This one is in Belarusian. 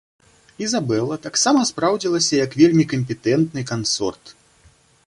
Ізабела таксама спраўдзілася як вельмі кампетэнтны кансорт.